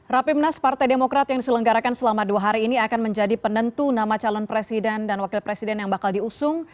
rapimnas partai demokrat yang diselenggarakan selama dua hari ini akan menjadi penentu nama calon presiden dan wakil presiden yang bakal diusung